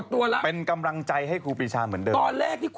เพื่อลองฟังอย่างนี้จะอยู่ออนไลน์นะคะ